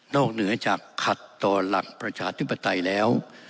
เหนือจากขัดต่อหลักประชาธิปไตยแล้ว